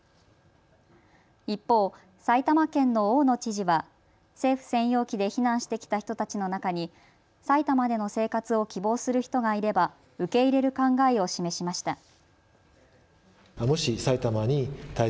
一方、埼玉県の大野知事は政府専用機で避難してきた人たちの中に埼玉での生活を希望する人がいれば受け入れる考えを示しました。